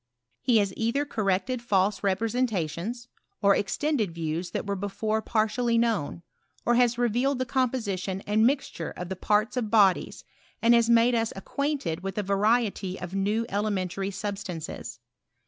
He has either corrected false repre sentations, or extended views that were before par tially known, or has revealed the composition and mixture of the parts of bodies, and has made us ac quainted with a variety of new elementary sub stances.